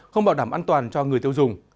không bảo đảm an toàn cho người tiêu dùng